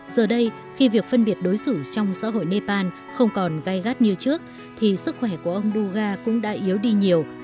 giờ đây khi việc phân biệt đối xử trong xã hội nepal không còn gai gắt như trước thì sức khỏe của ông duga cũng đã yếu đi nhiều